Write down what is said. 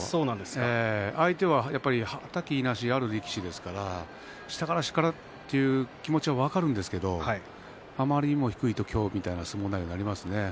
相手ははたき、いなしがある力士ですから下から、下からという気持ちは分かるんですがあまりに低いと今日のような相撲になりますね。